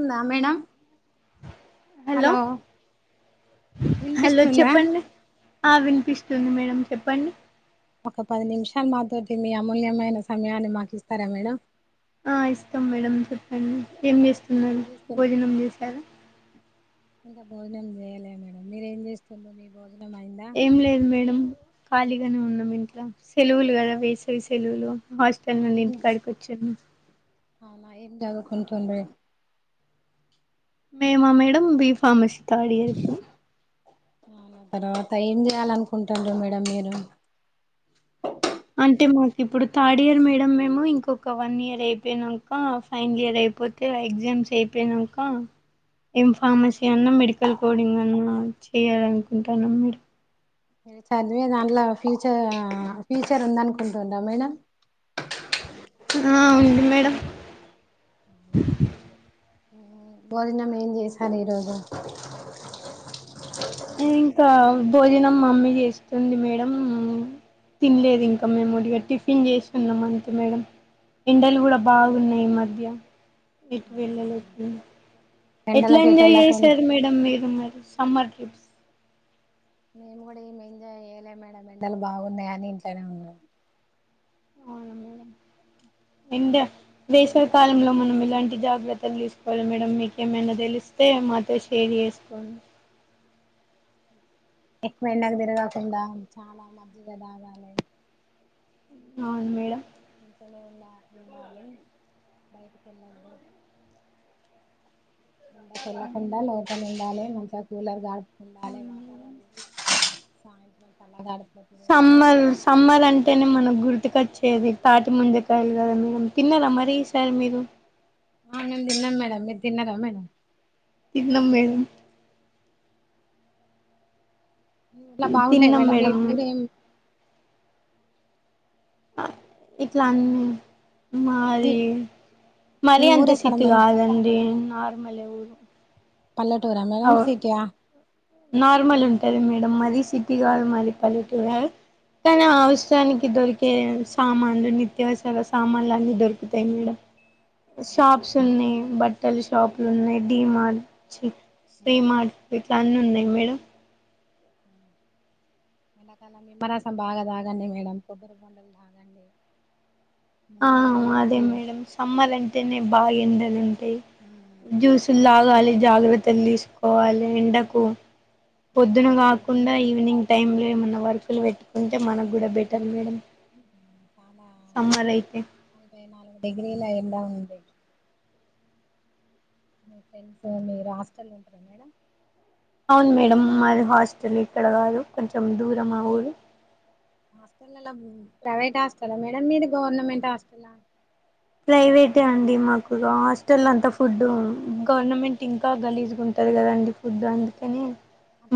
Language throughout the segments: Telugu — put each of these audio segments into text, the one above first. ఉందా మేడం హలో హలో వినిపిస్తుందా చెప్పండి ఆ వినిపిస్తుంది మేడం చెప్పండి ఒక పది నిమిషాలు మాతోటి మీ అమూల్యమైన సమయాన్ని మాకు ఇస్తారా మేడం ఆ ఇస్తాం మేడం చెప్పండి ఏం ఏం చేస్తున్నారు చేస్తున్నా భోజనం చేసార ఇంకా భోజనం చేయలే మేడం మీరేం చేస్తుందో మీ భోజ ఏం లేదు మేడం ఖాళీగానే ఉన్నాం ఇంట్ల సెలవులు కదా వేసవి సెలవులు హాస్టల్ నుండి ఏం ఇంటి కాడికొచ్చాను అవునా ఎం చదుకుంటుడ్రి మేమా madam B pharmacy third year ఇప్పుడు తర్వాత ఏం చేయాలనుకుంటాడ్రూ మేడం మీరు అంటే మాకు ఇప్పుడు థర్డ్ ఇయర్ మేడం మేము ఇంకొక వన్ ఇయర్ అయిపోయినాక ఫైనల్ ఇయర్ అయిపోతే ఎగ్జామ్స్ అయిపోయినాక ఏం ఫార్మసీ అన్నా మెడికల్ కోడింగ్ అన్నా చేయాల అనుకుంటాన్నాం మేడ చదివ దాంట్లో ఫ్యూచర్ ఫ్యూచర్ ఉంద అనుకుంటుంటాం మేడం ఆ వుంది మేడం భోజనం ఏం చేసారు ఈరోజు ఇంకా భోజనం మమ్మీ చేస్తుంది మేడం తినలేదు ఇంకా మేముడిగా టిఫిన్ చేస్తున్నాం అంతే మేడం ఎండలు కూడా బాగున్నాయి మధ్య ఎటు అవునా వెళ్ళలో ఎట్లా ఎండలకి ఎటు ఎంజాయ్ వెళ్ళకుండా చేసారు మేడం మీరు మరి సమ్మర్ క్రిప్స్ నేను కూడా ఏం మండలు బాగున్నాయి అని ఇంట్లానే ఉన్నా అవును మేడం ఇండి వేసవికాలంలో మనం ఎలాంటి జాగ్రత్తలు తీసుకోవాలి మేడం మీకేమైనా తెలిస్తే మాతో షేర్ చేసుకోండి ఎక్కువ ఎండకి తిరగకుండా చాలా మజ్జిగ తాగాలి అవును మేడం ాల బయటకి వెలా పో ఎండ కి తిరగకుండా లోపల ఉండాలి కొంత కూలర్ గార్డ్ ఉండాలే అవును వాటర్ మేడం పోయాలే సాయంత్రంలాగాడు సమ్మర్ సమ్మర్ అంటేనే మన గుర్తు ఇటుకొచ్చేది తాటి ముంజూ కాయలు కదా మీరు తిన్నారా మరి ఈ సారి మీరు ఆ మేం తిన్నాం మేడం మీరు తిన్నార మేడం తిన్నం మేడం అట్లా బాగుంటాయి తిన్నాం మేడమ్ మీ మేడం ఊరేం ఇట్ల అన్ని మీ మాది మీ మరి ఊరు అంత ఎక్కడ సీటీ మేడం కాదండి మళ్ళ ఏ ఊరు పల్లెటూరా మేడమ్ అవు సిటీ ఆ నార్మల్ ఉంటది మేడం మరీ సిటీగా మరి పల్లెటూరా కానీ అవసరానికి దొరికే సామాన్లు నిత్యావసర సామాన్లు అన్ని దొరుకుతాయి మేడం షాప్స్ ఉన్నాయి బట్టలు షాప్లు ఉన్నాయి డి మార్ట్ సి మార్ట్ ఇట్ల అన్ని ఉన్నాయి ఆ మేడమ్ ఎండాకాలం నిమ్మరసం బాగా తాగండి మేడం కొబ్బరి బోండాలు తాగండి ఆ నిమ్మకాయలు అదే తినండి మేడమ్ సమ్మర్ అంటేనే బాగా ఎందరు ఉంట జ్యూస్లు లాగా అది జాగ్రత్త తినేసి పోవాలీ ఉండకూ ఎండకు పొద్దున బయటకు కాకుండా ఈవినింగ్ టైం ఇంట్లో ఏమన్నా వర్కులు పెట్టుకుంటే మనకు కూడా బెటర్ మేడం చాలా సమ్మర్ అయితే నలభై నాలుగు డిగ్రీల ఎండ ఉంది మీ ఫెండ్స్ మీరు హాస్టల్లుంటరా మేడం అవును మేడం మాది హాస్టల్ ఇక్కడ కాదు కొంచెం దూరం ఆ ఊరు హాస్టలల్లో ప్రైవేట్ హాస్టలా మేడం మీది గవర్నమెంట్ హాస్టలా ప్రైవేటే అండి మాకు హాస్టల్ అంతా ఫుడ్ గవర్నమెంట్ ఇంకా గలీజుగుంటది కదండి ఫుడ్ అందుకని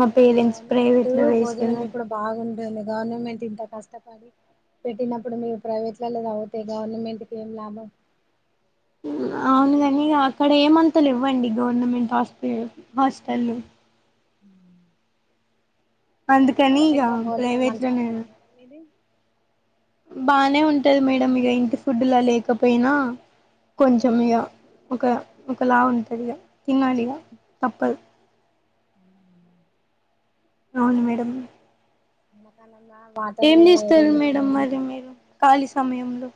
మా పేరెంట్స్ గవర్నమెంట్ ప్రైవేట్లో భోజనం వేసేవారు ఇప్పుడు బాగుం గవర్నమెంట్ ఇంత కష్టపడి పెట్టినప్పుడు మీరు ప్రైవేట్లలో చదువుతే గవర్నమెంట్ కు ఏం లాభం అవును కాని అక్కడ ఏమంతలెవ్వండి గవర్నమెంట్ హాస్పి హాస్టల్లు మ్ అదిగ అందుకని ఇక [inaudible] భోజనం ప్రైవేట్లోనే మంచిగుందా మేడం ఇది బానే ఉంటది మేడం ఇగ ఇంటి ఫుడ్డులా లేకపోయినా కొంచమిగ ఒక ఒక లా ఉంటదిగ తినాలి ఇగ తప్పదు మ్మ్ అవును మేడం అమ్మకాల ఏం చేస్తారు మేడం మరి మీరు ఖాళీ సమయంలో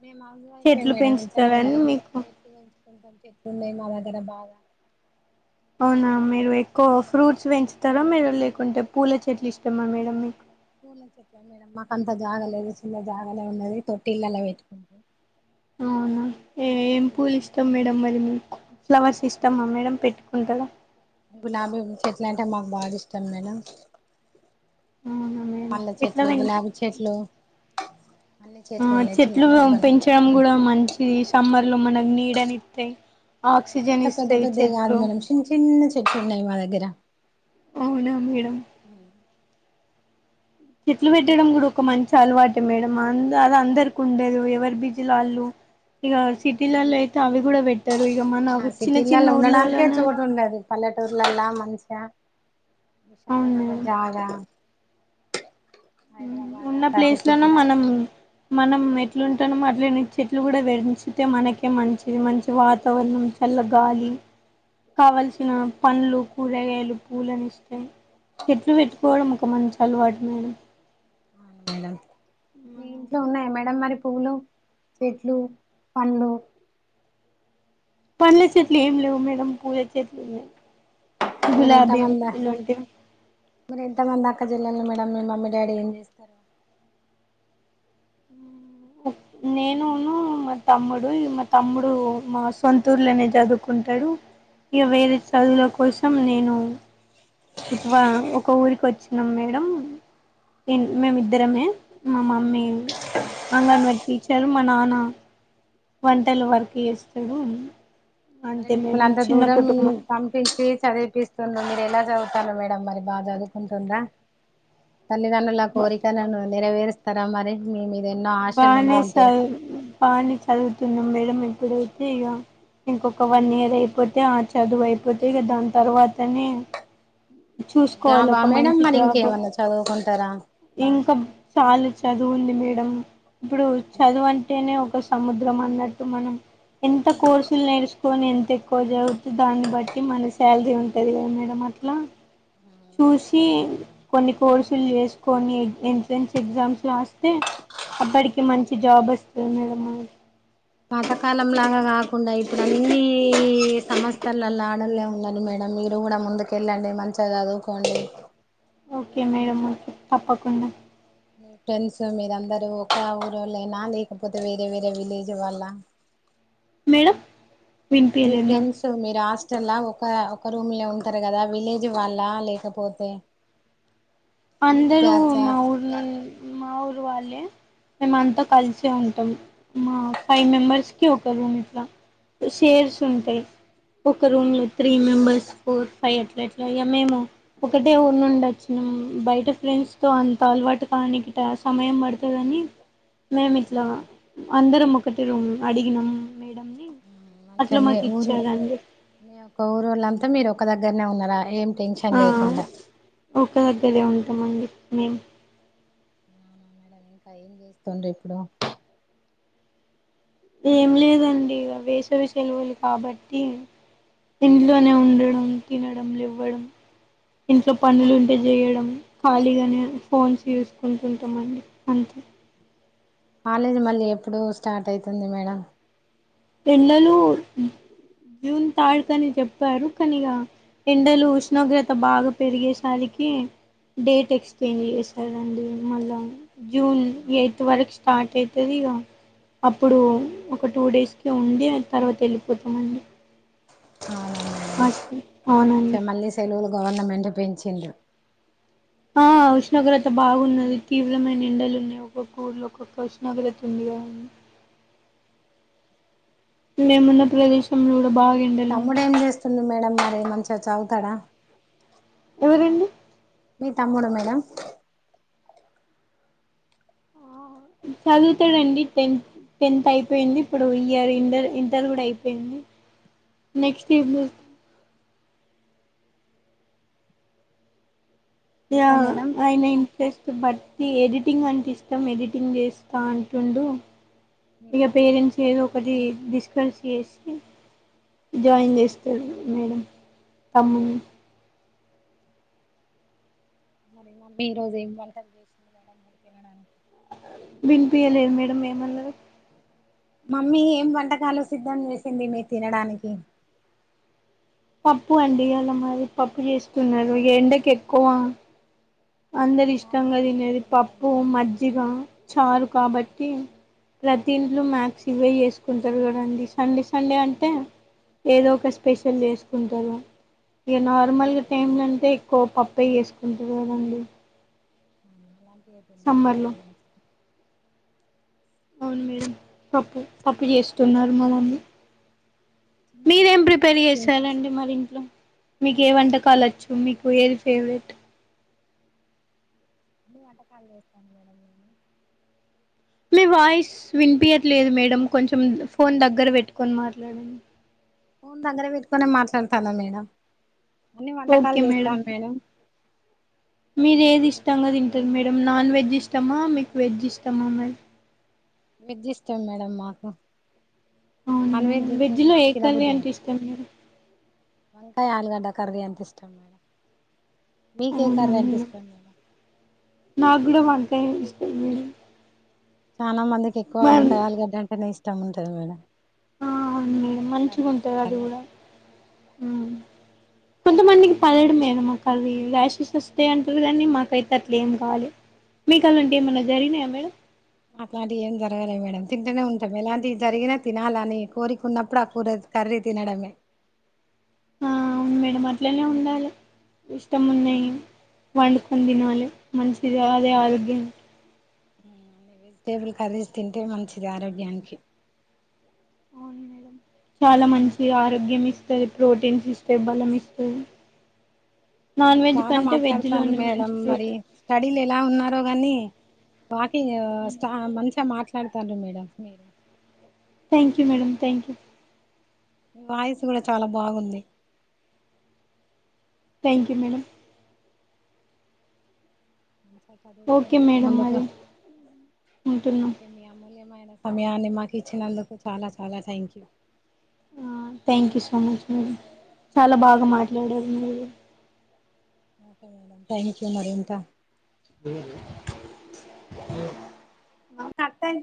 మేము [unintelligible] అయిపోయి చెట్లు మేడం ఇంట్లనే పెంచుతారని ఉంటాం మీకు చెట్లు పెంచుకుంటాం చెట్లున్నయి మా డ బాగా అవునా మీరు ఎక్కువ ఫ్రూట్స్ పెంచుతారా మీరు లేకుంటే పూల చెట్లు ఇష్టమా మేడం మీకు పూల చెట్లా మేడం మాకంత జాగా లేదు చిన్న జాగాలే ఉన్నది తొట్టిల్లలా పెట్టుకుంటం అవునా ఏ ఏం పూలు ఇష్టం మేడం మరి మీ ఫ్లవర్స్ ఇష్టమా మేడం పెట్ [unintelligible] గులాబీ చెట్లంటే మాకు బాగిష్టం మేడం అవునా మేడం మల్ల ఎట్లా చెట్లు పెంచ్ గులాబీ చెట్లు అన్ని ఆ ఉన్నాయి చిన్న చెట్లు కొన్ని కొన్ని పెంచడం గూడా మంచిది సమ్మర్ లో మనగినీడనిత్తయ్ అంత పెద్ద పెద్దయి కాదు మేడం చిన్న చిన్న చెట్లున్నాయ్ మా దగ్గర అవునా మేడం చెట్లు పెట్టడం గూడ ఒక మంచి అలవాటే మేడం అ అదందరికుండదు ఎవరి బీజీ ల వాళ్ళు ఇగ సిటీలల్లో అయితే అవి కూడా పెట్టరు ఆ సిటీలల్లో ఉండడానికే చోటుండదు పల్లెటూర్లలా మంచా అవును విశాలమైన మేడం జాగా హైదరాబాద్ ఉన్న అట్లాంటి ప్లేస్ లోను సిటీ మనం మనం చెట్లు ఉంటాను అట్లేని చెట్లు కూడా పెరించితే మనకే మంచిది మంచి వాతావరణం చల్ల గాలి కావల్సిన పండ్లు కూరగాయలు పూలుని ఇస్తే చెట్లు పెట్టుకోవడం ఒక మంచి అలవాటు మేడం అవున మేడం మీ ఇంట్లో ఉన్నాయి మ డం మరి పూలు చెట్లు పండ్లు పండ్లు చేట్లు ఏం లేవు మేడం పూల చెట్లు ఉన్నాయి గులాబీ ఇలాంటిే మరి ఇంతమంది అక్కజల్లాల మేడంమ్ మీ మమ్మీ డాడీ ఏం చేస్తారు నేనును మా తమ్ముడు ఇ మా తమ్ముడు మా సొంతూర్లోనే చదువుకుంటాడు ఇక వేరే చదువుల కోసం నేను ఇటువ ఒక ఊరికి వచ్చినాం మేడం మేమిద్దరమే మా మమ్మీ అంగన్వాారి టీచర్ మా నాన్న వంటలు వర్క్ చేస్తాడు మరి అంతే మిమ్మల్ మేడం అంత చిన్న దూరం కుటుంబం పంపించి చదివిపిస్తుండుంది ఎలా చదువుతాను మేడం మరి బాగా చదువుకుంటుందా తల్లితండ్రుల కోరికా నేరవేరుస్తారా మరి మీ ఎన్నో ఆశలు ఉండి బానే ఉంటాయి చదు బానే చదువుతున్నాం మేడం ఇప్పుడైతే ఇక ఇంకొక వన్ ఇయర్ అయిపోతే ఆ చదువు అయిపోతే ఇక దాని తర్వాతనే చూసుకోవాలి జాబా ఒక మేడం మంచి మరి జాబ్ ఇంకేమన్నా చదువుకుంటారా ఇంకా చాలు చదువు ఉంది మేడం ఇప్పుడు చదువు అంటేనే సముద్రం అన్నట్టు మనం ఎంత కోర్సులు నేర్చుకొని ఎంత ఎక్కువ చదువుతు దాన్ని బట్టి మన శాలరీ ఉంటుంది కదా మేడం అట్లా చూసి కొన్ని కోర్సులు చేసుకొని ఎంట్రన్స్ ఎగ్జామ్స్ రాస్తే అప్పటికి మంచి జాబ్ వస్తుంది మేడమ్ పాతకాలం లాగా కాకుండా ఇప్పుడు అన్నిీ సంస్యలల్లో ఆడలే ఉన్నారు మేడం మీరు కూడా ముందుక వెళ్ళండి మంచిగా చదువుకోండి ఓకే మేడంమ్ ఓకే తప్పకుండా మీ ఫ్రెండ్స్ మీరందరుూ ఒక ఊరుళ్ళనా లేకపోతే వేరే వేరే విలేజ్ వల్ల మేడమ్ మీ ఫ్రెండ్స్ మీ రాస్ లా ఒక ఒక రూమ్ లో ఉంటారు కదా విలేజ్ వాళ్ళ లేకపోతే స్కూల్ అందరుూ బ్యాచా మాఊరు మాఊరు వాళ్ళే మేము అంతా కలిసే ఉంటాం మా ఫైవ్ మెంబర్స్ కి ఒక రూమ్ ఇట్లా షేర్స్ ఉంటాయి ఒక రూమ్ లో త్రీ మెంబర్స్ ఫోర్ ఫైవ్ అట్లాట్లా ఇ మేము ఒకటే ఊర్ నుండి వచ్చినము బయట ఫ్రెండ్స్ తో అంత అలవాటు కాడానికి సమయం పడుతుందని మేమి ఇట్లా అందరము కట్టి రూమ్ అడిగినం మంచిగా మీ ఊరు ఇచ్చారండి మీ యొక్క ఊరుోళ్ళంతా మీరు ఒక్క దగ్గనే ఉన్నరా ఏం టెన్షన్ ఆ లేకుండా ఒక దగ్గరే ఉంటమండి ఉమ్ ఏంకా ఎంచేస్తుండ్రీ ఇప్పుడు ఏం లేదండి వేసవి సేలవలు కాబట్టి ఇంట్లోనే ఉండడం తినడంలెవ్వడం ఇంట్లో పనులు ఉంటే చేయడం ఖాళీగానే ఫోన్స్ చూసుకుంటుంటామండి అంతే కాలేజీ మళ్ళీ ఎప్పుడు స్టార్ట్ అయితుంది మేడం పిల్లలు జూన్ థర్డ్ కి అని చెప్పారు కానీక ఎండలు ఉష్ణోగ్రత బాగా పెరిగేసరికి డేట్ ఎక్స్చేంజ్ చేసారండి మళ్ళా జూన్ ఎయిత్ వరకు స్టార్ట్ అవుతుంది ఇక అప్పుడు ఒక టూ డేస్ ఉండి ఆ తర్వాత వెళ్ళిపోతామండి ఫాస్ట్ ఇంక మళ్ళీ సెలవులు గవర్నమెంట్ పెంచిండు ఆ ఉష్ణోగ్రత బాగున్నది తీవ్రమైన ఎండలు ఉన్నాయి ఒక్కొక్క ఊర్లో ఒక్కొక్క ఉష్ణోగ్రత ఉంది గా మేమున్న ప్రదేశంంలో తమ్ముడేంచేస్తుంది మేడం మరి మంచి అ చదువు తాడా ఎవరండి మీ తమ్ముడు మేడం చదువుతాడండి టెన్త్ టెన్త్ అయిపోయింది ఇప్పుడు ఈ ఇయర్ ఇంటర్ ఇంటర్ కూడా అయిపోయింది నెక్స్ట్ ఇ య ఇంకా మేడం అయినాయి చేస్త బట్టి ఎడిటింగ్ అంటే ఇష్టం ఎడిటింగ్ చేస్తా అంటుండు ఇక పేరెంట్స్ ఏదో ఒకటి డిస్కస్ చేసి జాయిన్ చేస్తాడు మేడం త ఆ మరి మమ్మి ఈ రోజు ఏం వంట చేసింది తినడానికి వినిపియలేదు మేడం ఏమన్నారు మమ్మీ ఏం వంటకాలు సిద్ధం చేసింది మీ తినడానికి పప్పు అండి అలా మరి పప్పు చేస్తున్నారు ఎండకు ఎక్కువ అందరు చాట్ ఇష్టంగా టైప్ తినేది తినాలి పప్పు, మేడం మజ్జిగ, మంచిగా చారు కాబట్టి తింట్లు మ్యాక్స్ ఇవే చేసుకుంటారు కాదాండి సండే స సండే అంటే ఏదో ఒక స్పెషల్ చేసుకుంటారు ఇక నార్మల్ టైమ్లో అంటే ఎక్కువ పప్పు పొయేసుకుంట కదండి ఎ పని సమ్మర్లో మేడం అవును మేడం తప్పు తప్పు చేస్తున్నారు మనల్ని చిన్న మీరేం కుటుంబం మీద ప్రిపేర్ చేసారండి మరి ఇంట్లో మీకు ఏ వంటకాలు వచ్చు మీకు ఏ ఫేవరెట్ అన్ని వంటకాలు చేస్తాను మేడం నేను మీ వాయిస్ వినిపింయాట్లేదు మేడం కొంచెం ఫోన్ దగ్గర పెట్టుకొని మాట్లాడండి ఫోన్ దగ్గర పెట్టుకునే మాట్లాడతన్న నేను అన్ని వంటకాలు ఓకే మేడం చేస్తాన్ మేడమ్ మీరు ఏది ఇష్టంగా తింటారు మేడమ్ నాన్ వెజ్ ఇష్ట ష్టమా మీకు వెజ్ ఇష్టమా మే వెజ్ ఇష్టం మేడమ్ మాకు అవునా నాన్ మేడం వెజ్ ఉంటది లో కానీ ఏ కర్రీ తినబుద్ది అంటే కాదు. ఇష్టం మేడం వంకాయ ఆలుగడ్డ కర్రీ అంటే ఇష్టం మేడం మీకే అవున కర్రీ అంటే ఇష్టం మేడం నాగుడ వన్ కాయ అంటే ఇష్టమ్ మేడమ్ చానా మంది ఎక్కవ వంకాయ్ ఆలుగడ్డ అంటేనే ఇష్ట ఇష్టం ఉంటాది మేడం ఆ అవును మంచిగుంటది అది కర్రీస్లల్లా కూడా ఊ కొంతమందికి పడదు మేడం అది రాషెస్ వస్తాయి అంటుర్రు కానీ మాకైతే అట్లా ఏం కాలె మికల్ల అట్ల ఏమైన జరిగినాయా మేడం అట్లాంటివి ఏం జరగాలే మేడం తింటూనే ఉంటాం ఎలాంటి జరిగినా తినాలని కోరిక ఉన్నప్పుడు ఆ కూర కర్రీ తినడమే ఆ అవును మేడం అట్లనే ఉండాలి ఇష్టం ఉన్నాయి వండుకొని తినాలి మంచిది అదే ఆరోగ్యం అన్ని వెజిటేబుల్ కర్రీస్ తింటే మంచిది ఆరోగ్యానికి అవును మేడం చాలా మంచి ది ఆరోగ్యంకి అదే ప్రోటీన్స్ ఇస్తే బలం ఇస్తూంది బాగా మాట్లాడుతాను మేడం మరి ప్రోటీన్ స్టడీ లే ఎలా ఉన్నారో గాని వాకింగ్ ష్టా మంచిగా మాట్ తాండ్రు మేడం మీరు thank you madam thank you మీవాయిసు కూడా చాలా బాగుంది థ్యాంక్ యూ మేడమ్ అ ఓకే చదువుకోండి మేడం ముందుగా మరి ఉంటున్నాం ఓకే మీ అమ్మోల్లె మీ విలువైన సమయాన్ని మాకు ఇచ్చినందుకు చాలా చాలా థ్యాంక్ యూ ఆ thank you so much madam చాలా బాగా మాట్లాడారు మీరు ఓకే మేడం థ్యాంక్ యూ మరిఉంటా ఏమి ఏమి కట్టయిన్